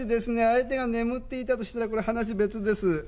相手が眠っていたとしたらこれ話別です。